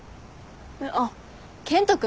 あっ健人君？